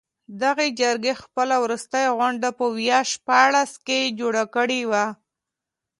دغې جرګې خپله وروستۍ غونډه په ویا شپاړس کې جوړه کړې وه.